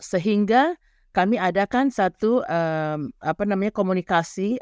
sehingga kami adakan satu komunikasi